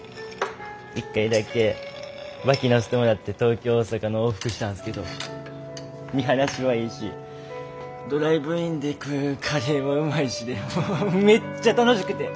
一回だけ脇乗せてもらって東京大阪の往復したんすけど見晴らしはいいしドライブインで食うカレーもうまいしでもうめっちゃ楽しくて。